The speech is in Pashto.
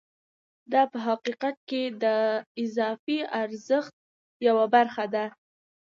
دا په حقیقت کې د اضافي ارزښت یوه برخه ده